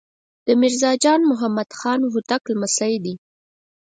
د میرزا جان محمد خان هوتک لمسی دی.